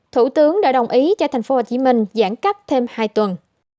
thủ tướng đã đồng ý cho tp hcm giãn cách thêm hai tuần